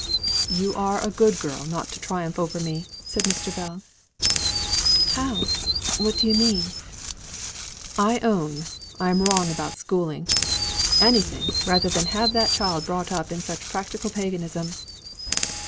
"You are a good girl not to triumph over me," said Mr. Bell. "How? What do you mean?" "I own I am wrong about schooling. Anything rather than have that child brought up in such practical paganism."